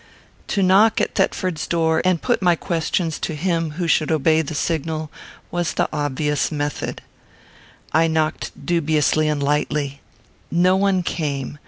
To knock at Thetford's door, and put my questions to him who should obey the signal, was the obvious method. I knocked dubiously and lightly. No one came.